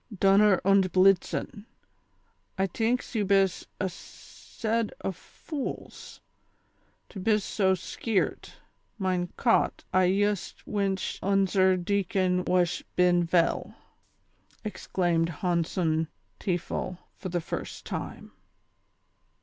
"Dunner und blitzen, I tinks you bis a sed o' fools, to bis so skeert ; mine Cot, I yust winch unzer decon whash bin veil," exclaimed Honson Teafel, for the first time.